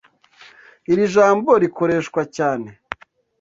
Iri jambo rikoreshwa cyane?